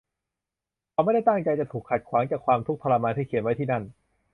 เขาไม่ได้ตั้งใจจะถูกขัดขวางจากความทุกข์ทรมานที่เขียนไว้ที่นั่น